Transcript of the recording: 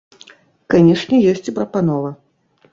Канешне, ёсць і прапанова.